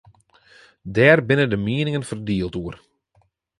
Dêr binne de mieningen ferdield oer.